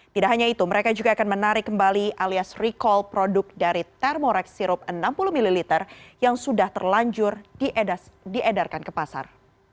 tidak hanya itu mereka juga akan menarik kembali alias recall produk dari thermorex sirup enam puluh ml yang sudah terlanjur diedarkan ke pasar